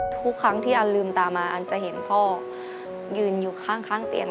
ทุกครั้งที่อันลืมตามาอันจะเห็นพ่อยืนอยู่ข้างเตียง